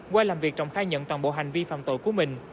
qua làm việc trọng khai nhận toàn bộ hành vi phạm tội của mình